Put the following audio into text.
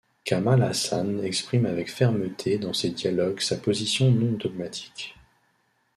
Kamal Haasan exprime avec fermeté dans ses dialogues sa position non dogmatique.